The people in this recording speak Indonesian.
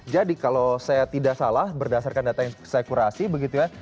jadi kalau saya tidak salah berdasarkan data yang saya kurasi begitu ya